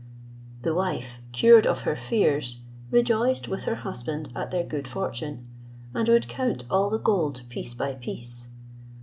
The wife, cured of her fears, rejoiced with her husband at their good fortune, and would count all the gold, piece by piece.